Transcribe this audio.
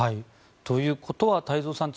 ということは太蔵さん